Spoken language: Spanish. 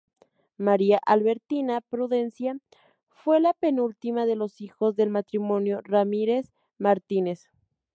María Albertina Prudencia fue la penúltima de los hijos del matrimonio Ramírez-Martínez.